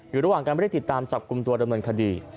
อยู่ระหว่างการไม่ได้ติดตามจับกลุ่มตัวดำเนินคดี